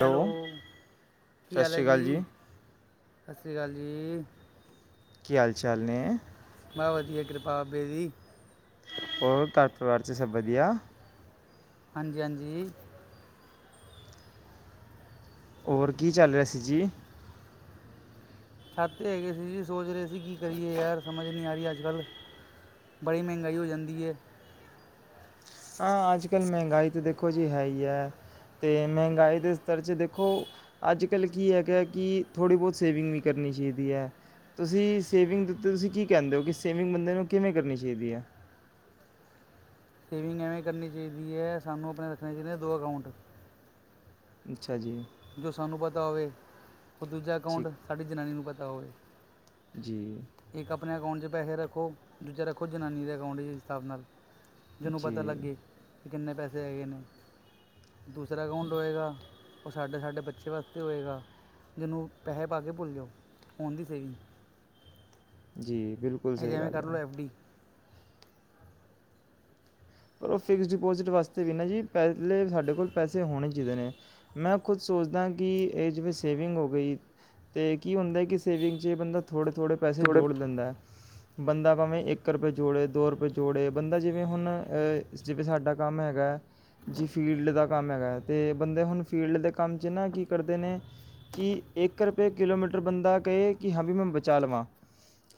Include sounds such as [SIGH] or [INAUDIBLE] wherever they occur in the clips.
Hello ਕੀ ਸਤਿ ਹਾਲ ਹੈ ਸ਼੍ਰੀ ਜੀ ਅਕਾਲ ਸਤਿ ਸ਼੍ਰੀ ਅਕਾਲ ਜੀ ਕੀ ਹਾਲ ਚਾਲ ਨੇ ਮੈ ਵਧੀਆ ਕਿਰਪਾ ਬਾਬੇ ਦੀ ਹੋਰ ਘਰ ਪਰਿਵਾਰ 'ਚ ਸਭ ਵਧੀਆ ਹਾਂਜੀ ਹਾਂਜੀ। ਹੋਰ ਕੀ ਚੱਲ ਰਿਹਾ ਸੀ ਜੀ ਛਾਤੀ ਤੇ ਹੈਗੇ ਸੀ ਸੋਚ ਰਹੇ ਸੀ ਕੀ ਕਰੀਏ ਯਾਰ ਸਮਝ ਮਹਿੰਗਾਈ ਅੱਜਕਲ ਬਾਹਲੀ ਮਹਿੰਗਾਈ ਹੋ ਜਾਂਦੀ ਏ ਹਾਂ ਅੱਜ ਕੱਲ੍ਹ ਮਹਿੰਗਾਈ ਤਾਂ ਦੇਖੋ ਜੀ ਹੈ ਹੀ ਹੈ ਤੇ ਮਹਿੰਗਾਈ ਦੇ ਸਤਰ 'ਚ ਦੇਖੋ ਅੱਜ ਕੱਲ੍ਹ ਕੀ ਹੈਗਾ ਕਿ ਥੋੜ੍ਹੀ ਬਹੁਤ ਸੇਵਿੰਗ ਵੀ ਕਰਨੀ ਚਾਹੀਦੀ ਹੈ ਤੁਸੀਂ ਸੇਵਿੰਗ ਦੇ ਉੱਤੇ ਤੁਸੀਂ ਕੀ ਕਹਿੰਦੇ ਹੋ ਕਿ ਸੇਵਿੰਗ ਬੰਦੇ ਨੂੰ ਕਿਵੇਂ ਕਰਨੀ ਚਾਹੀਦੀ ਹੈ। ਸੇਵਿੰਗ ਐਵੇਂ ਕਰਨੀ ਚਾਹੀਦੀ ਹੈ ਸਾਨੂੰ ਆਪਣੇ ਰੱਖਣੇ ਚਾਹੀਦੇ ਦੋ ਅਕਾਊਂਟ ਅੱਛਾ ਜੀ ਜੋ ਸਾਨੂੰ ਪਤਾ ਹੋਵੇ ਉਹ ਦੂਜਾ ਅਕਾਂਟ ਠੀਕ ਸਾਡੀ ਜਨਾਨੀ ਨੂੰ ਪਤਾ ਜੀ ਤੋ ਇੱਕ ਆਪਣੇ ਅਕਾਊਂਟ 'ਚ ਪੈਸੇ ਰੱਖੋ ਦੂਜਾ ਰੱਖੋ ਜਨਾਨੀ ਦੇ ਅਕਾਂਟ ਹਿਸਾਬ ਨਾਲ ਜਿਹਨੂੰ ਪਤਾ ਜੀ ਲੱਗੇ ਕਿੰਨੇ ਪੈਸੇ ਆਗੇਏ ਨੇ ਦੂਸਰਾ ਅਕਾਊਂਡ ਹੋਏਗਾ ਉਹ ਸਾਡੇ ਸਾਡੇ ਬੱਚੇ ਵਾਸਤੇ ਹੋਏਗਾ ਜਿਹਨੂੰ ਪੈਸੇ ਪਾ ਕੇ ਭੁੱਲ ਜਾਓ ਫੋਨ ਦੀ ਸੇਵਿੰਗ ਜੀ ਬਿਲਕੁਲ ਇਹ ਸਹੀ ਜਿਵੇਂ ਗੱਲ ਕਰ ਲਓ ਹੈ ਐਫ ਡੀ ਪਰ ਉਹ ਫਿਕਸ ਡਿਪੋਜ਼ਿਟ ਵਾਸਤੇ ਵੀ ਨਾ ਜੀ ਪਹਿਲੇ ਸਾਡੇ ਕੋਲ ਪੈਸੇ ਹੋਣੇ ਚਾਹੀਦੇ ਨੇ ਮੈਂ ਖੁਦ ਸੋਚਦਾ ਕਿ ਇਹ ਜਿਵੇਂ ਸੇਵਿੰਗ ਹੋ ਗਈ ਅਤੇ ਕੀ ਹੁੰਦਾ ਕਿ ਸੇਵਿੰਗ 'ਚ ਇਹ ਬੰਦਾ ਥੋੜੇ ਥੋੜ੍ਹੇ ਪਸੇ ਜੋੜ ਲਦਾ ਬੰਦਾ ਭਾਵੇਂ ਇੱਕ ਰੁਪਏ ਜੋੜੇ ਦੋ ਰੁਪਏ ਜੋੜੇ ਬੰਦਾ ਜਿਵੇਂ ਹੁਣ ਜਿਵੇਂ ਸਾਡਾ ਕੰਮ ਹੈਗਾ ਜੀ ਫੀਲਡ ਦਾ ਕੰਮ ਹੈਗਾ ਅਤੇ ਬੰਦੇ ਹੁਣ ਫੀਲਡ ਦੇ ਕੰਮ 'ਚ ਨਾ ਕੀ ਕਰਦੇ ਨੇ ਕਿ ਇੱਕ ਰੁਪਏ ਕਿਲੋਮੀਟਰ ਬੰਦਾ ਕਹੇ ਕਿ ਹਾਂ ਵੀ ਮੈਂ ਬਚਾ ਲਵਾਂ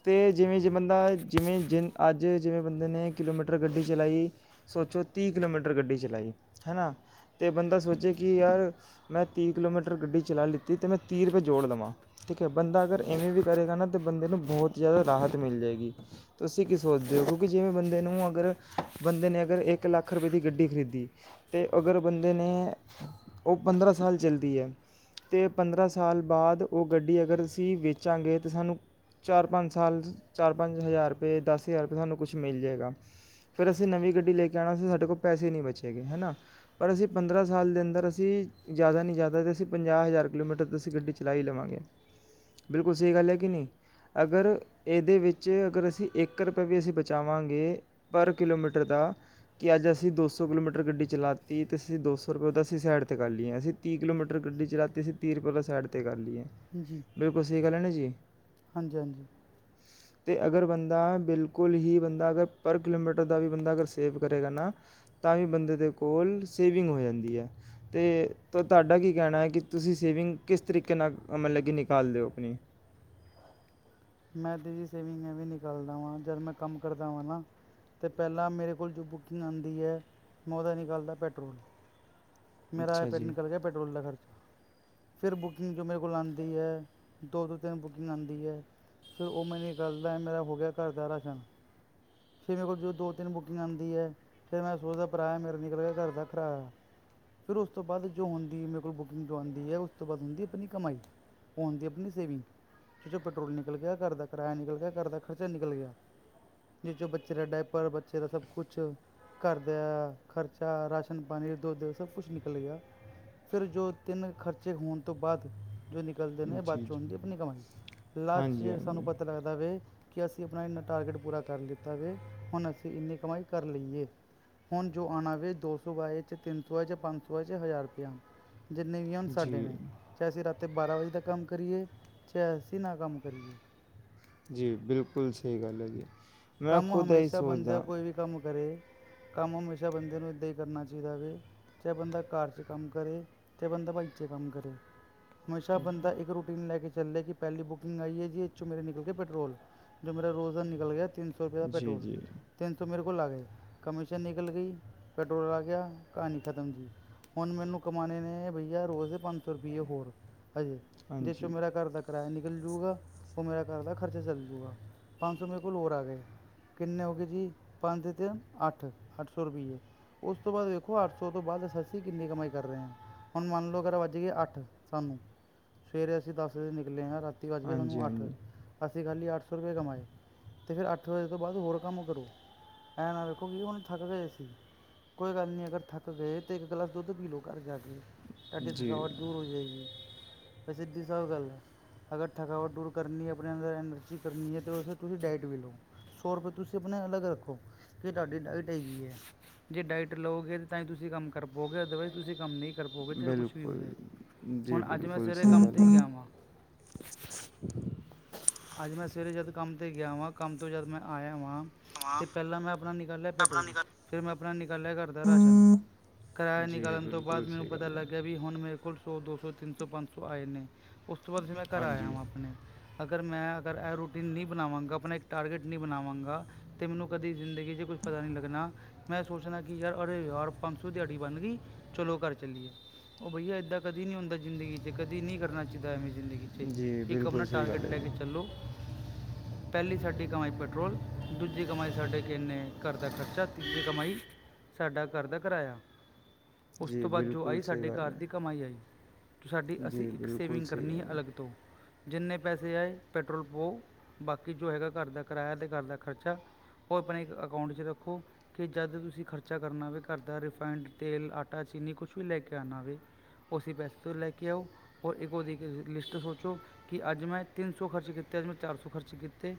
ਅਤੇ ਜਿਵੇਂ ਜੇ ਬੰਦਾ ਜਿਵੇਂ ਜਿ ਅੱਜ ਜਿਵੇਂ ਬੰਦੇ ਨੇ ਕਿਲੋਮੀਟਰ ਗੱਡੀ ਚਲਾਈ ਸੋਚੋ ਤੀਹ ਕਿਲੋਮੀਟਰ ਗੱਡੀ ਚਲਾਈ ਹੈ ਨਾ ਅਤੇ ਬੰਦਾ ਸੋਚੇ ਕਿ ਯਾਰ ਮੈਂ ਤੀਹ ਕਿਲੋਮੀਟਰ ਗੱਡੀ ਚਲਾ ਲਿੱਤੀ ਅਤੇ ਮੈਂ ਤੀਹ ਰੁਪਏ ਜੋੜ ਦੇਵਾਂ ਠੀਕ ਹੈ ਬੰਦਾ ਅਗਰ ਇਵੇਂ ਵੀ ਕਰੇਗਾ ਨਾ ਤਾਂ ਬੰਦੇ ਨੂੰ ਬਹੁਤ ਜ਼ਿਆਦਾ ਰਾਹਤ ਮਿਲ ਜਾਵੇਗੀ ਤੁਸੀਂ ਕੀ ਸੋਚਦੇ ਹੋ ਕਿਉਂਕਿ ਜਿਵੇਂ ਬੰਦੇ ਨੂੰ ਅਗਰ ਬੰਦੇ ਨੇ ਅਗਰ ਇੱਕ ਲੱਖ ਰਪਏ ਦੀ ਗੱਡੀ ਖਰੀਦੀ ਅਤੇ ਅਗਰ ਬੰਦੇ ਨੇ ਉਹ ਪੰਦਰਾਂ ਸਾਲ ਚੱਲਦੀ ਹੈ ਅਤੇ ਪੰਦਰਾਂ ਸਾਲ ਬਾਅਦ ਉਹ ਗੱਡੀ ਅਗਰ ਅਸੀਂ ਵੇਚਾਂਗੇ ਤਾਂ ਸਾਨੂੰ ਚਾਰ ਪੰਜ ਸਾਲ ਚਾਰ ਪੰਜ ਹਜ਼ਾਰ ਰੁਪਏ ਦਸ ਹਜ਼ਾਰ ਰੁਪਏ ਸਾਨੂੰ ਕੁਛ ਮਿਲ ਜਾਏਗਾ ਫਿਰ ਅਸੀਂ ਨਵੀਂ ਗੱਡੀ ਲੈ ਕੇ ਆਉਣਾ ਸੀ ਸਾਡੇ ਕੋਲ ਪੈਸੇ ਨਹੀਂ ਬਚੇ ਗ ਹੈ ਨਾ ਪਰ ਅਸੀਂ ਪੰਦਰਾਂ ਸਾਲ ਦੇ ਅੰਦਰ ਅਸੀਂ ਜ਼ਿਆਦਾ ਨਹੀਂ ਜ਼ਿਆਦਾ ਅਤੇ ਅਸੀਂ ਪੰਜਾਹ ਹਜ਼ਾਰ ਕਿਲੋਮੀਟਰ ' ਅਸੀਂ ਗੱਡੀ ਚਲਾ ਹੀ ਲਵਾਂਗੇ ਬਿਲਕੁਲ ਸਹੀ ਗੱਲ ਹੈ ਕਿ ਨਹੀਂ ਅਗਰ ਇਹਦੇ ਵਿੱਚ ਅਗਰ ਅਸੀਂ ਇੱਕ ਰੁਪਏ ਵੀ ਅਸੀਂ ਬਚਾਵਾਂਗੇ ਪਰ ਕਿਲੋਮੀਟਰ ਦਾ ਕਿ ਅੱਜ ਅਸੀਂ ਦੋ ਸੌ ਕਿਲੋਮੀਟਰ ਗੱਡੀ ਚਲਾਤੀ ਅਤੇ ਅਸੀਂ ਦੋ ਸੌ ਰੁਪਏ ਉਹਦਾ ਅਸੀਂ ਸਾਈਡ 'ਤੇ ਕਰ ਲਈਏ ਅਸੀਂ ਤੀਹ ਕਿਲੋਮੀਟਰ ਗੱਡੀ ਚਲਾਤੀ ਅਸੀਂ ਤੀਹ ਰੁਪਏ ਉਹਦਾ ਸਾਈਡ 'ਤੇ ਕਰ ਲਈਏ ਜੀ ਬਿਲਕੁਲ ਸਹੀ ਗੱਲ ਹੈ ਨੀ ਜੀ ਹਾਂਜੀ ਹਾਂਜੀ ਤੇ ਅਗਰ ਬੰਦਾ ਬਿਲਕੁਲ ਹੀ ਬੰਦਾ ਅਗਰ ਪਰ ਕਿਲੋਮੀਟਰ ਦਾ ਵੀ ਬੰਦਾ ਅਗਰ ਸੇਵ ਕਰੇਗਾ ਨਾ ਤਾਂ ਵੀ ਬੰਦੇ ਦੇ ਕੋਲ ਸੇਵਿੰਗ ਹੋ ਜਾਂਦੀ ਹੈ ਅਤੇ ਤੁ ਤੁਹਾਡਾ ਕੀ ਕਹਿਣਾ ਹੈ ਕਿ ਤੁਸੀਂ ਸੇਵਿੰਗ ਕਿਸ ਤਰੀਕੇ ਨਾਲ ਮਤਲਬ ਕਿ ਨਿਕਾਲ ਦਿਓ ਆਪਣੀ ਮੈਂ ਬਿਜਲੀ ਸੇਵਿੰਗ ਵੀ ਨਿਕਾਲਦਾ ਵਾਂ ਜਦ ਮੈਂ ਕੰਮ ਕਰਦਾ ਵਾਂ ਨਾ ਤਾਂ ਪਹਿਲਾਂ ਮੇਰੇ ਕੋਲ ਜੋ ਬੁਕਿੰਗ ਆਉਂਦੀ ਹੈ ਮੈਂ ਉਹਦਾ ਨਿਕਾਲਦਾ ਪੈਟਰੋਲ ਮੇਰਾ ਆ ਅੱਛਾ ਪੇਟ ਨ ਜੀ। ਕਰਕੇ ਪੈਟਰੋਲ ਦਾ ਖਰਚਾ ਫਿਰ ਬੁਕਿੰਗ ਜੋ ਮੇਰੇ ਕੋਲ ਆਉਦੀ ਹੈ ਦੋ ਦੋ ਤਿੰਨ ਬੁਕਿੰਗ ਆਉਂਦੀ ਹੈ ਫਿਰ ਉਹ ਮੈ ਨਿਕਲਦਾ ਮੇਰਾ ਹੋ ਗਿਆ ਘਰ ਦਾ ਰਾਸ਼ਨ ਫਿਰ ਮੇਰੇ ਕੋਲ ਜੋ ਦੋ ਤਿੰਨ ਬੁਕਿੰਗ ਆਉਂਦੀ ਹੈ ਫਿਰ ਮੈਂ ਸੋਚਦਾ ਪਰਾਇਆ ਮੇਰਾ ਨਿਕਲ ਗਿਆ ਘਰ ਦਾ ਕਿਰਾਇਆ ਫਿਰ ਉਸ ਤੋਂ ਬਾਅਦ ਜੋ ਹੁੰਦੀ ਮੇਰੇ ਕੋਲ ਬੁਕਿੰਗ ਜੋ ਆਉਂਦੀ ਹੈ ਉਸ ਤੋਂ ਬਾਅਦ ਹੁੰਦੀ ਆਪਣੀ ਕਮਾਈ ਉਹ ਹੁੰਦੀ ਆਪਣੀ ਸੇਵਿੰਗ ਜੋ ਪੈਟਰੋਲ ਨਲ ਨਿਕਲ ਗਿਆ ਘਰ ਦਾ ਕਿਰਾਇਆ ਨਿਕਲ ਗਿਆ ਘਰ ਦਾ ਖਰਚਾ ਨਿਕਲ ਗਿਆ ਜਿਸ ਜੋ ਬੱਚੇ ਦਾ ਡਾਇਪਰ ਬੱਚੇ ਦਾ ਸਭ ਕੁਛ ਘਰ ਦਾ ਖਰਚਾ ਰਾਸ਼ਨ ਪਾਣੀ ਦੁੱਧ ਸਭ ਕੁਛ ਨਿਕਲ ਗਿਆ ਫਿਰ ਜੋ ਤਿੰਨ ਖਰਚੇ ਹੋਣ ਤੋਂ ਬਾਅਦ ਜੋ ਨਿਕਲਦੇ ਨੇ ਬਾਅ ਜੀ ਚੋਂ ਜੀ ਦੀ ਆਪਣੀ ਕਮਾਈ ਲਾਸਟ ਹਾਂਜੀ ਸਾਨੂੰ ਹਾਂਜੀ ਪਤਾ ਲੱਗਦਾ ਬ ਕਿ ਅਸੀਂ ਆਪਣਾ ਇਨਾ ਟਾਰਗੇਟ ਪੂਰਾ ਕਰ ਲਤਾ ਵਵੇ ਹੁਣ ਅਸੀਂ ਇੰਨੀ ਕਮਾਈ ਕਰ ਲਈਏ ਹੁਣ ਜੋ ਆਉਣਾ ਵ ਦੋ ਸੌ ਬਾਏ ਤਿੰਨ ਸੌਏ ਪੰਜ ਸੌ ਹੈ ਹਜ਼ਾਰ ਰੁਪਇਆ ਜਿੰਨੇ ਵੀ ਹੁਣ ਸਾਡੇ ਨੇ ਜੀ ਚਾਹੇ ਅਸੀਂ ਰਾਤੀ ਬਾਰਾਂ ਵਜੇ ਦਾ ਕੰਮ ਕਰੀਏ ਚਾਹੇ ਅਸੀਂ ਨਾ ਕੰਮ ਜੀ ਬਿਲਕੁਲ ਸਹੀ ਗੱਲ ਹੈ ਜੀ ਮੈਂ ਕੰਮ ਖੁਦ ਇਹੀ ਹਮੇਸ਼ਾ ਬੰਦਾ ਸੋਚਦਾ ਕੋਈ ਵੀ ਕੰਮ ਕਰੇ ਕੰਮ ਹਮੇਸ਼ਾ ਬੰਦੇ ਨੂੰ ਇੱਦਾਂ ਹੀ ਕਰਨਾ ਚਾਹੀਦਾ ਕਿ ਚਾਹੇ ਬੰਦਾ ਕਾਰਰ 'ਚ ਕੰਮ ਕਰੇ ਚਾਹੇ ਬੰਦਾ ਭਾਈ ' ਕੰਮ ਕਰੇ ਹਮੇਸ਼ਾ ਬੰਦਾ ਇੱਕ ਰੂਟੀਨ ਲੈ ਕੇ ਚੱਲੇ ਕੀ ਪਹਿਲੀ ਬੁਕਿੰਗ ਆਈ ਹੈ ਜੀ ਚੋਂ ਮੇਰੇ ਨਿਕਲ ਗਏ ਪੈਟਰੋਲ ਜੋ ਮੇਰਾ ਰੋਜ਼ਾਨਾ ਨਿਕਲ ਗਿਆ ਤਿੰਨ ਸੌ ਰੁਪਏ ਦਾ ਜੀ ਪੈਟਰੋਲ ਜੀ ਤਿੰ ਸ ਮੇਰੇਲ ਲ ਆ ਗਏ ਕਮਿਸ਼ਨ ਨਿਕਲ ਗਈ ਪੈਟਰੋਲ ਆ ਗਿਆ ਕਹਾਣੀ ਖਤਮ ਜੀ ਹੁਣ ਮੈਨੂੰ ਕਮਾਣੇ ਨੇ ਬਈਆ ਰੋਜ਼ ਦੇ ਪੰਜ ਸੌ ਰੁਪਈਏ ਹੋਰ ਹਜੇ ਜਿਸ 'ਚੋਂ ਹਾਂਜੀ ਮੇਰਾ ਘਰ ਦਾ ਕਿਰਾਇਆ ਨਿਕਲ ਜੂਗਾ ਉਹ ਮੇਰਾ ਘਰ ਦਾ ਖਰਚਾ ਚੱਲ ਜੂਗਾ ਮੇ ਕੋਲਰ ਆ ਗਿਆ ਕਿੰਨੇ ਹੋ ਗਏ ਜੀ ਪੰਜ ਅੱਠ ਅੱਠ ਸੌ ਰੁਪਈਏ ਉਸ ਤੋਂ ਬਾਅਦ ਵੇਖੋ ਅੱਠ ਸੌ ਤੋਂ ਬਾਅਦ ਅਸੀਂ ਕਿੰਨੀ ਕਮਾਈ ਕਰ ਰਹੇ ਹਾਂ ਹੁਣ ਮੰਨ ਲਓ ਯ ਵੱਜ ਗਏ ਅੱਠ ਸਾਨੂੰ ਸਵੇਰੇ ਅਸੀਂ ਦਸ ਵਜੇ ਨਿਕਲੇ ਹਾਂ ਰਾਤੀ ਵੱਜ ਗਏ ਹਾਂਜੀ ਸਾਨੂੰ ਅੱਠ ਹਾਂਜੀ ਅਸੀਂ ਖਾਲੀ ਅੱਠ ਸੌ ਰੁਪਏ ਕਮਾਏ ਫਿਰ ਅੱਠ ਵਜੇ ਤੋਂ ਬਾਅਦ ਹੋਰ ਕੰਮ ਕਰੋ ਐਂ ਨਾ ਵੇਖੋ ਕਿ ਹੁਣ ਥੱਕ ਗਏ ਸੀ ਕੋਈ ਗੱਲ ਨਹੀਂੀ ਅਗਰ ਥੱਕ ਗਏ ਤਾਂ ਇੱਕ ਗਲਾਸ ਦੁੱਧ ਪੀ ਲਓ ਘਰ ਜਾ ਕੇ ਤੁਹਾਡੀ ਜੀ ਥਕਾਵਟ ਦੂਰ ਹੋ ਜਾਏਗੀ ਸਿੱਧੀ ਸ ਗੱਲ ਹੈ ਅਗਰ ਥਕਾਵਟ ਦੂਰ ਕਰਨੀ ਹੈ ਆਪਣੇ ਅੰਦਰ ਐਨਰਜੀ ਕਰਨੀ ਹੈ ਤੇ ਵੀ ਲਓ ਸੌ ਰੁਪਏ ਤੁਸੀਂ ਆਪਣੇ ਅਲੱਗ ਰੱਖੋ ਕਿ ਤੁਹਾਡੀ ਡਾਇਟ ਹੈਗੀ ਹੈ ਜੇ ਡਾਇਟ ਲਓਗੇ ਤਾਂ ਤਾਂ ਹੀ ਤੁਸੀਂ ਕੰਮ ਕਰ ਪਾਓਗੇ ਅਦਰਵਾਈਜ਼ ਤੁਸੀਂ ਕੰਮ ਨਹੀਂ ਕਰ ਪਾਓਗੇ ਤੇ ਕੁਛ ਵੀ ਹੋ ਬਿਲਕੁਲ ਜਾਏ ਜੀ ਹੁਣ ਅੱਜ ਮੈਂ ਬਿਲਕੁਲ ਸਵੇਰੇ ਸਹੀ ਕੰਮ ਤੇਤੇ ਗੱਲ ਹੀ ਗਿਆ ਵਾਂ ਹੈ ਅੱਜ ਮੈਂ ਸਵੇਰੇ ਜਦ ਕੰਮ 'ਤੇ ਗਿਆ ਵਾਂ ਕਮ ਤੋਂ ਜਦ ਮੈਂ ਆਇਆ ਵਾਂ ਅਤੇ ਪਹਿਲਾਂ ਮੈਂ ਆਪਣਾ ਨਿਕਲਿਆ ਪੈਟਰੋਲ ਫਿਰ ਮੈਂ ਆਪਣਾ ਨਿਕਲਿਆ ਘਰ ਦਾ ਰਾਸ਼ਨ ਕਿਰਾਇਆ ਜੀ ਨਿਕਾਲਣ ਤੋਂ ਬਾਅਦ ਬਿਲਕੁਲ ਮੈਨੂੰ ਸਹੀ ਪਤਾ ਗੱਲ ਹੈ ਲੱਗਿਆ ਵੀ ਹੁਣ ਮੇਰੇ ਕੋਲ ਸੌ ਦੋ ਸੌ ਤਿੰਨ ਸੌ ਪੰਜ ਸੌ ਆਏ ਨੇ ਉਸ ਤੋਂ ਬਾਅਦ ਫ ਮੈਂ ਘਰ ਆਇਆ ਹਾਂਜੀ ਵਾਂ ਆਪਣੇ ਅਗਰ ਮੈਂ ਅਗਰ ਇਹ ਰੋਟੀ ਨਹੀਂ ਬਣਾਵਾਂਗਾ ਆਪਣੇ ਟਾਰਗੇਟ ਨਹੀਂ ਬਣਾਵਾਂਗਾ ਅਤੇ ਮੈਨੂੰ ਕਦੇ ਜ਼ਿੰਦਗੀ 'ਚ ਕੁਛ ਪਤਾ ਨਹੀਂ ਲੱਗਣਾ ਮੈਂ ਸੋਚਣਾ ਕਿ ਯਾਰ ਅਰੇਾਰ ਪੰਸ ਦਿਹਾੜੀ ਬਣ ਗਈ ਚਲੋ ਘਰ ਚੱਲਏ ਉਹ ਬਈਆ ਏਦਾਂ ਕਦੀ ਨਹੀਂੀ ਹੁੰਦਾ ਜ਼ਿੰਦਗੀ ਚ ਕਦੀ ਨਹੀਂੀ ਕਰਨਾ ਚਾਹੀਦਾ ਐਵੇਂ ਜ਼ਿੰਦਗੀ 'ਚ ਜੀ ਇੱਕ ਆਪਣਾ ਬਿਲਕੁਲ ਸਹੀ ਟਾਰਗੇਟ ਗੱਲ ਲੈ ਕੇ ਹੈ ਚੱਲੋ ਪਹਿਲੀ ਕਮਾਈ ਪੈਟਰੋਲ ਦੂਜੀ ਕਮਾਈ ਸਾਡੇ ਕਿੰਨੇ ਘਰ ਦਾ ਖਰਚਾ ਤੀਜੀ ਕਮਾਈ ਸਾਡਾ ਘਰ ਦਾ ਕਿਰਾਇਆ ਉਸ ਜੀ ਜੀ ਤੋਂ ਬਾਅਦ ਜੋ ਬਿਲਕੁਲ ਆਈ ਸਹੀ ਸਾਡੇ ਘਰ ਗੱਲ ਹੈ ਦੀ ਕਮਾਈ ਆਈ ਸਾਡੀ ਅਸੀਂ ਜੀ ਇੱਕ ਬਿਲਕੁਲ ਸੇਵਿੰਗ ਸਹੀ ਕਰਨੀ ਹੈ ਗੱਲ ਅਲੱਗ ਤੋਂ ਜਿੰਨੇ ਪੈਸੇ ਆਏ ਪੈਟਰੋਲ ਪੋ ਬਾਕੀ ਜੋ ਘਰ ਦਾ ਕਿਰਾਇਆ ਤੇ ਘਰ ਦਾ ਖਰਚਾ ਉਹ ਆਪਣੇ ਇੱਕ ਅਕਾਊਂਟ ਚ ਰੱਖੋ ਕਿ ਜਦ ਤੁਸੀਂ ਖਰਚਾ ਕਰਨਾ ਹੋਵੇ ਘਰ ਦਾ ਰਿਫਾਇੰਡ ਤੇਲ ਆਟਾ ਚੀਨੀ ਕੁਛ ਵੀ ਲੈ ਕੇ ਆਉਣਾ ਹੋਵੇ ਅਸੀਂ ਪੈਸੇ ਤੋਂ ਲੈ ਕੇ ਆਓ ਔਰ ਇੱਕ ਉਹਦੀ ਲਿਸਟ ਸੋਚੋ ਕਿ ਅੱਜ ਮੈਂ ਤਿੰਨ ਸੌ ਖਰਚ ਕੀਤੇ ਅੱਜ ਮੈਂ ਚਾਰ ਸੌ ਖਰਚ ਕੀਤੇ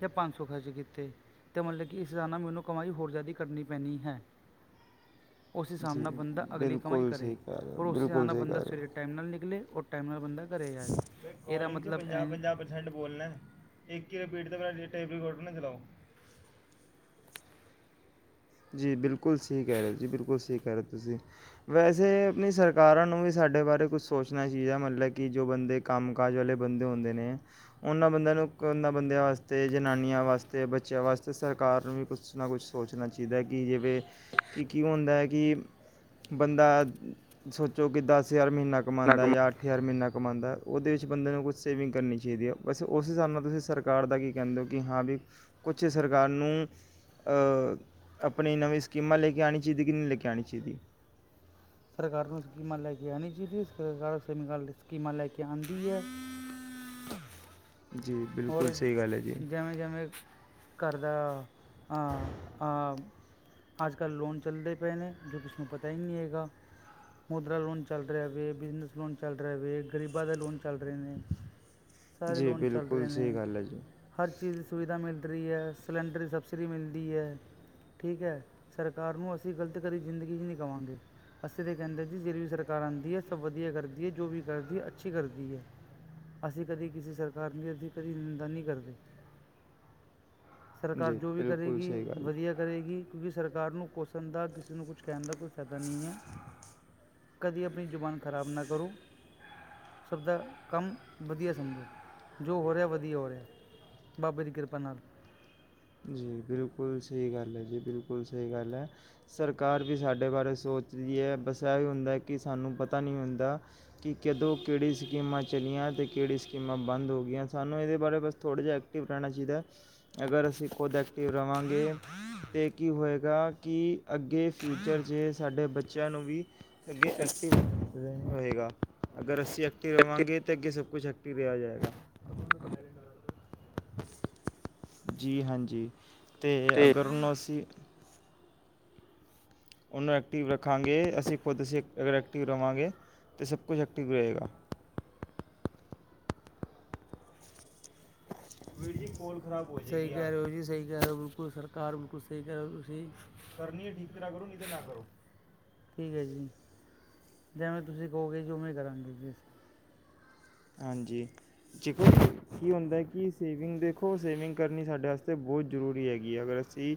ਜਾਂ ਪੰਜ ਸੌ ਖਰਚ ਕੀਤੇ ਤਾਂ ਮਤਲਬ ਕਿ ਇਸ ਤ ਨਾਲ ਮੈਨੂੰ ਕਮਾਈ ਹੋਰ ਜ਼ਿਆਦਾ ਕਰਨੀ ਪੈਣੀ ਹੈ ਉਸੇ ਜੀ ਸਾਹਮਣਾ ਬੰਦਾ ਅਗਲੀ ਕਮਾਈ ਬਿਲਕੁਲ ਕਰੇ ਸਹੀ ਕਹਿ ਰਹੇ ਪਰਰ ਹੋ ਉਸੇ ਸਮ ਨਾਲ ਬੰਦਾ ਸਵੇਰੇ ਟਾਈਮ ਨਾਲ ਨਿਕਲੇ [UNINTELLIGIBLE] ਘਰੇ ਆਏ ਮੈਂ ਇਹਦਾ ਕਾਲਿੰਗ 'ਚ ਮਤਲਬ ਐ ਪੰਜਾਹ ਨਹੀਂ ਪੰਜਾਹ ਪਰਸੈਂਟ ਬੋਲਣਾ ਇੱਕ ਹੀ ਰਪੀਟ ਟੇਬਰੀ ਕੋਡ ਨਾ ਚਲਾਓ ਜੀ ਬਿਲਕੁਲ ਸਹੀ ਕਹਿ ਰਹੇ ਹੋ ਜੀ ਬਿਲਕੁਲ ਸਹੀ ਕਹਿ ਰਹੇ ਹੋ ਤੁਸੀਂ ਵੈਸੇ ਆਪਣੀ ਸਰਕਾਰਾਂ ਨੂੰ ਵੀ ਸਾਡੇ ਬਾਰੇ ਕੁਛ ਸੋਚਣਾ ਚਾਹੀਦਾ ਮਤਲਬ ਕਿ ਜੋ ਬੰਦੇ ਕੰਮ ਕਾਜ ਵਾਲੇ ਬੰਦੇ ਹੁੰਦੇ ਨੇ ਉਹਨਾਂ ਬੰਦਿਆਂ ਨੂੰ ਉਹਨਾਂ ਬੰਦਿਆਂ ਵਾਸਤੇ ਜਨਾਨੀਆਂ ਵਾਸਤੇ ਬੱਚਿਆਂ ਵਾਸਤੇ ਸਰਕਾਰ ਨੂੰ ਵੀ ਕੁਛ ਨਾ ਕੁਛ ਸੋਚਣਾ ਚਾਹੀਦਾ ਕਿ ਜਿਵੇਂ ਕਿ ਕੀ ਹੁੰਦਾ ਹੈ ਕਿ ਬੰਦਾ ਸੋਚੋ ਕਿ ਦਸ ਹਜ਼ਾਰ ਮਹੀਨਾ ਨਾ ਕਮਉਂਦਾ ਹੈ ਕਮਾ ਜਾਂ ਅੱਠ ਹਜ਼ਾਰ ਮਹੀਨਾ ਕਮਾਉਂਦਾ ਉਹਦੇ ਵਿੱਚ ਬੰਦੇ ਨੂੰ ਕੁਛ ਸੇਵਿੰਗ ਕਰਨੀ ਚਾਹੀਦੀ ਹੈ ਬਸ ਉਸ ਹਿਸਾਬ ਨਾਲ ਤੁਸੀਂ ਸਰਕਾਰ ਦਾ ਕੀ ਕਹਿੰਦੇ ਹੋ ਕਿ ਹਾਂ ਵੀ ਕੁਛ ਸਰਕਾਰ ਨੂੰ ਆਪਣੀ ਨਵੀਂ ਸਕੀਮਾਂ ਲੈ ਕੇ ਆਉਣੀ ਚਾਹੀਦੀ ਕਿ ਨਹੀਂ ਲੈ ਕੇ ਆਉ ਚਾਹੀਦੀ ਸਰਕਾਰ ਨੂੰ ਸਕੀਮਾਂ ਲੈ ਕੇ ਹੈ ਨ ਜਦੀ ਸਰਕਾਰ ਸਮੀ ਸਕੀਮਾਂ ਲੈ ਕੇ ਆਉਂਦੀ ਹੈ ਜੀ ਬਿਲਕੁਲ ਔਰ ਸਹੀ ਗੱਲ ਹੈ ਜੀ ਜਿਵੇਂ ਜਿਵੇਂ ਘਰ ਦਾ ਅੱਜ ਕੱਲ੍ਹ ਲੋਨ ਚੱਲਦੇ ਪਏ ਨੇ ਜੋ ਕਿਸ ਨੂੰ ਪਤਾ ਹੀ ਨਹੀਂ ਹੈਗਾ ਮੁਦਰਾ ਲੋਨ ਚੱਲ ਰਿਹਾ ਵਵੇ ਬਿਜ਼ਨਸ ਲੋਨ ਚੱਲ ਰਿਹਾ ਵਵੇ ਗਰੀਬਾਂ ਦੇ ਲੋਨ ਚੱਲ ਰਹੇ ਨੇ ਸਾਰੇ ਜੀ ਲੋਨ ਚੱਲ ਬਿਲਕੁਲ ਰਹੇ ਸਹੀ ਨੇ ਗੱਲ ਹੈ ਜੀ ਹਰ ਚੀਜ਼ ਦੀ ਸੁਵਿਧਾ ਮਿਲ ਰਹੀ ਹੈ ਸਿਲੰਡਰ ਸਬਸਿਡੀ ਮਿਲਦੀ ਹੈ ਠੀਕ ਹੈ ਸਰਕਾਰ ਨੂੰ ਅਸੀਂ ਗਲਤ ਕਦੀ ਜ਼ਿੰਦਗੀ 'ਚ ਨਹੀਂ ਕਵਾਂਗੇ ਅਸੀਂ ਤਾਂ ਕਹਿੰਦੇ ਜੀ ਜਿਹੜੀ ਵੀ ਸਰਕਾਰ ਆਉਂਦੀ ਹੈ ਸਭ ਵਧੀਆ ਕਰਦੀ ਹੈ ਜੋ ਵੀ ਕਰਦੀ ਹੈ ਅੱਛੀ ਕਰਦੀ ਹੈ ਅਸੀਂ ਕਦੀ ਕਿਸੇ ਸਰਕਾਰ ਦੀ ਦੀ ਕਦੀ ਨਿੰਦਾ ਨਹੀਂੀ ਕਰਦੇ ਸਰਕਾਰ ਜੀ ਜੋ ਵੀ ਬਿਲਕੁਲ ਕਰੇਗੀ ਸਹੀ ਗੱਲ ਵਧੀਆ ਕਰੇਗੀ ਕਿਉਂਕਿ ਸਰ ਕਾਰ ਨੂੰ ਕੁਛਣ ਦਾ ਕਿਸੇ ਨੂੰ ਕੁਛ ਕਹਿਣ ਦਾ ਕੁ [UNINTELLIGIBLE] ਕਦੀ ਆਪਣੀ ਜ਼ੁਬਾਨ ਖਰਾਬ ਨਾ ਕਰੋ ਸਭ ਦਾ ਕੰਮ ਵਧੀਆ ਸਮਝੋ ਜੋ ਹੋ ਰਿਹਾ ਵਧੀਆ ਹੋ ਰਿਹਾ ਬਾਬੇ ਦੀ ਕਿਰਪਾ ਪਨਾਲ ਜੀ ਬਿਲਕੁਲ ਸਹੀ ਗੱਲ ਹੈ ਜੀ ਬਿਲਕੁਲ ਸਹੀ ਗੱਲ ਹੈ ਸਰਕਾਰ ਵੀ ਸਾਡੇ ਬਾਰੇ ਸੋਚਦੀ ਹੈ ਬਸ ਇਹ ਵੀ ਹੁੰਦਾ ਕਿ ਸਾਨੂੰ ਪਤਾ ਨਹੀਂ ਹੁੰਦਾ ਕਿ ਕਦੋਂ ਕਿਹੜੀ ਸਕੀਮਾਂ ਚਲੀਆਂ ਅਤੇ ਕਿਹੜੀ ਸਕੀਮਾਂ ਬੰਦ ਹੋ ਗਈਆਂ ਸਾਨੂੰ ਇਹਦੇ ਬਾਰੇ ਬਸ ਥੋੜ੍ਹਾ ਜਿਹਾ ਐਕਟਿਵ ਰਹਿਣਾ ਚਾਹੀਦਾ ਅਗਰ ਅਸੀਂ ਖੁਦ ਐਕਟਿਵ ਰਹਾਂਗੇ ਅਤੇ ਕੀ ਹੋਏਗਾ ਕਿ ਅੱਗੇ ਫਿਊਚਰ 'ਚ ਸਾਡੇ ਬੱਚਿਆਂ ਨੂੰ ਵੀ ਅੱਗੇ ਐਕਟਿਵ ਹੋਏਗਾ ਅਗਰ ਅਸੀਂ ਐਕਟਿਵ ਰਹਾਂਗੇ ਤਾਂ ਅੱਗੇ ਸਭ ਕੁਛ ਐਕਟਿਵ ਰਿਹਾ ਜਾਏਗਾ ਕਰ ਦਿਉ ਜੀ ਹਾਂਜੀ ਜੀ ਅਤੇ ਤੇ ਅਗਰ ਹਨਾਂ ਅਂ ਉਹਨੂੰ ਐਕਟਿਵ ਰੱਖਾਂਗੇ ਅਸੀਂ ਖੁਦ ਅਸੀਂ ਅਗਰ ਐਕਟਿਵ ਰਹਾਂਗੇ ਤਾਂ ਸਭ ਕੁਛ ਐਕਟਿਵ ਰਹੇਗਾ ਵੀ ਕੋਲ ਖਰਾਬ ਹੋ ਜਾਏਗੀ ਸਹੀ ਕਹਿ ਯਾਰ ਰਹੇ ਹੋ ਜੀ ਸਹੀਹਿ ਰਹੇ ਹੋ ਬਿਲਕੁ ਸਰ ਕਾਰਨ ਕੁਸੇ ਕਰੋ ਤੁਸੀ ਕਰਨਨੀ ਹੈ ਠੀਕ ਤਰ੍ਹਾਂ ਕਰੋ ਨ ਤੇ ਨਾ ਕਰੋ ਠੀਕ ਹੈ ਜੀ ਜਿਵੇਂ ਤੁਸੀਂ ਕਹੋਗੇ ਜੀ ਉਵੇਂ ਹੀ ਕਰਾਂਗੇ ਜੀ ਅਸੀਂ ਹਾਂਜੀ ਦੇਖੋ ਕੀ ਹੁੰਦਾ ਕਿ ਸੇਵਿੰਗ ਦੇਖੋ ਸੇਵਿੰਗ ਕਰਨੀ ਸਾਡੇ ਵਾਸਤੇ ਬਹੁਤ ਜ਼ਰੂਰੀ ਹੈਗੀ ਹੈ ਅਗਰ ਅਸੀਂ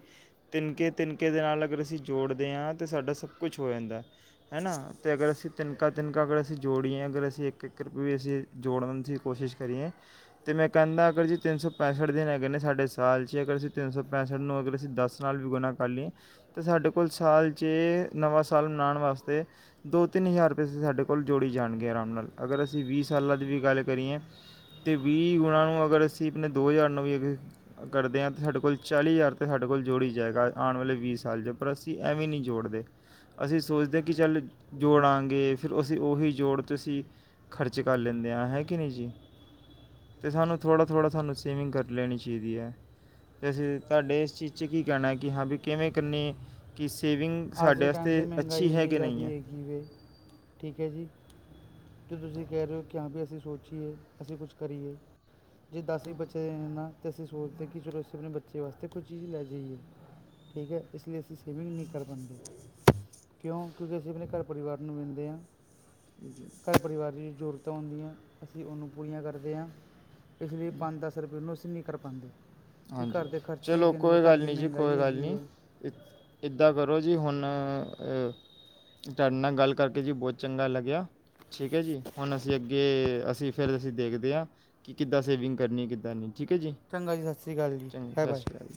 ਤਿੰਨਕੇ ਤਿੰਨਕੇ ਦੇ ਨਾਲ ਅਗਰ ਅਸੀਂ ਜੋੜਦੇ ਹਾਂ ਤਾਂ ਸਾਡਾ ਸਭ ਕੁਛ ਹੋ ਜਾਂਦਾ ਹੈ ਨਾ ਅਤੇ ਅਗਰ ਅਸੀਂ ਤਿੰਨਕਾ ਤਿੰਨਕਾ ਅਗਰ ਅਸੀਂ ਜੋੜੀਏ ਅਗਰ ਅਸੀਂ ਇੱਕ ਇੱਕ ਰੁਪਏ ਵੀ ਅਸੀਂ ਜੋੜਨ ਦੀ ਕੋਸ਼ਿਸ਼ ਕਰੀਏ ਅਤੇ ਮੈਂ ਕਹਿੰਦਾ ਅਗਰ ਜੀ ਤਿੰਨ ਸੌ ਪੈਂਸਠ ਦਿਨ ਹੈਗੇਏ ਨੇ ਸਾਡੇ ਸਾਲ 'ਚ ਅਗਰ ਅਸੀਂ ਤਿੰਨ ਸੌ ਪੈਂਸਠ ਨੂੰ ਅਗਰ ਅਸੀਂ ਦਸ ਨਾਲ ਵੀ ਗੁਣਾ ਕਰ ਲਈਏ ਤਾਂ ਸਾਡੇ ਕੋਲ ਸਾਲ 'ਚ ਨਵਾਂ ਸਾਲ ਮਨਾਉਣ ਵਾਸਤੇ ਦੋ ਤਿੰਨ ਹਜ਼ਾਰ ਰੁਪਏ ਅ ਸਾਡੇ ਕੋਲ ਜੋੜੀ ਜਾਣਗੇ ਆਰਾਮ ਨਾਲ ਅਗਰ ਅਸੀਂ ਵੀਹ ਸਾਲਾਂ ਦੀ ਵੀ ਗੱਲ ਕਰੀਏ ਅਤੇ ਵੀਹ ਗੁਣਾਂ ਨੂੰ ਅਗਰ ਅਸੀਂ ਆਪਣੇ ਦੋ ਹਜ਼ਾਰ ਨੂੰ ਵੀ ਅ ਕਰਦੇ ਹਾਂ ਤਾਂ ਸਾਡੇ ਕੋਲ ਚਾਲੀ ਹਜ਼ਾਰ ਤਾਂ ਸਾਡੇ ਕੋਲ ਜੋੜ ਹੀ ਜਾਏਗਾ ਆਉਣ ਵਾਲੇ ਵੀਹ ਸਾਲ 'ਚ ਪਰ ਅਸੀਂ ਐਵੇਂ ਨਹੀਂ ਜੋੜਦੇ ਅਸੀਂ ਸੋਚਦੇ ਕਿ ਚੱਲ ਜੋੜਾਂਗੇ ਫਿਰ ਅਸੀਂ ਉਹੀ ਜੋੜ 'ਚ ਅਸੀਂ ਖਰਚ [INAUDIBLE] ਅੱਜ ਸਾਡੇ ਦੇ ਟਾਈਮ ਤੇ ਵਾਸਤੇ ਮਹਿੰਗਾਈ ਅੱਛੀ ਹੈ ਇੰਨੀ ਕਿ ਜ਼ਿਆਦਾ ਨਹੀਂ ਹੈਗੀ ਵੇ ਠੀਕ ਹੈ ਜੀ ਜੋ ਤੁਸੀਂ ਕਹਿ ਰਹੇ ਹੋ ਕਿ ਹਾਂ ਵੀ ਅਸੀਂ ਸੋਚੀਏ ਅਸੀਂ ਕੁਛ ਕਰੀਏ ਜੇ ਦਸ ਵੀ ਬੱਚੇ ਦੇ ਨਾ ਤਾਂ ਅਸੀਂ ਸੋਚਦੇ ਹ ਕਿ ਚਲੋ ਅਸੀਂ ਆਪਣੇ ਬੱਚੇ ਵਾਸਤੇ ਕੁਈ ਚੀਜ਼ ਲੈ ਜਾਈਏ ਠੀਕ ਹੈ ਇਸ ਲਈ ਅਸੀਂ ਸਵੀਮਿੰਗ ਨਹੀਂ ਕਰ ਬੈਂਦੇ ਕਿਉਂ ਕਿਉਂਕਿ ਅਸੀਂ ਆਪਣੇ ਘਰ ਪਰਿਵਾਰ ਨੂੰ ਮਿਲਦੇ ਹਾਂ ਹਾਂਜੀ ਘਰ ਪਰਿਵਾਰ ਦੀ ਜ਼ਰੂਰਤਾਂ ਹੁੰਦੀਆਂ ਅਸੀਂ ਉਹਨੂੰ ਪੂਰੀਆਂ ਕਰਦੇ ਹਾਂ ਪਿਛਲੀ ਪੰਜ ਦਸ ਰੁਪਏ ਨੂੰ ਨਹੀਂ ਕਰ ਪਾਉਂਦੇ ਵੀ ਹਾਂਜੀ ਘਰ ਦੇ ਖਰਚੇ ਚਲੋ ਹੈਗੇ ਨੇ ਕੋਈ ਘਰ ਗੱਲ ਦੀ ਨਹੀਂੀ ਜੀ ਮਹਿੰਗਾਈ ਕੋਈ ਗੱਲ ਹੈਗੀ ਨਹੀਂੀ ਹੈ ਕਿੱਦਾਂ ਕਰੋ ਜੀ ਹੁਣ ਤੁਹਾਡੇ ਨਾਲ ਗੱਲ ਕਰਕੇ ਜੀ ਬਹੁਤ ਚੰਗਾ ਲੱਗਿਆ ਠੀਕ ਹੈ ਜੀ ਹੁਣ ਅਸੀਂ ਅੱਗੇ ਅਸੀਂ ਫਿਰ ਅਸੀਂ ਦੇਖਦੇ ਹਾਂ ਕਿ ਕਿੱਦਾਂ ਸੇਵਿੰਗ ਕਰਨੀ ਕਿੱਦਾਂ ਨਹੀਂ ਠੀਕ ਹੈ ਜੀ ਸਤਿ ਸ਼੍ਰੀ ਅਕਾਲ ਚੱਲ ਜ ਚੰਗਾ ਹੈ ਸਤਿ ਬਾਏ ਸ਼੍ਰੀ ਅਕਾਲ ਜੀ